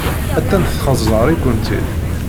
Attan txeẓẓer-ikent-id.